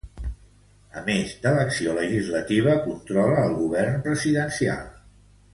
A més de l'acció legislativa controla el govern presidencial.